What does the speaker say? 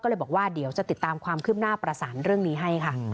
ก็เลยบอกว่าเดี๋ยวจะติดตามความคืบหน้าประสานเรื่องนี้ให้ค่ะ